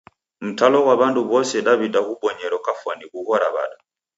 Mtalo ghwa w'andu w'ose daw'ida ghubonyero kafwani ghughora w'ada?